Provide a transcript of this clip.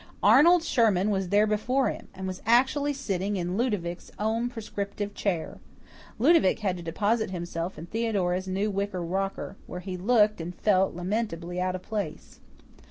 Arnold Sherman was there before him, and was actually sitting in Ludovic's own prescriptive chair. Ludovic had to deposit himself in Theodora's new wicker rocker, where he looked and felt lamentably out of place.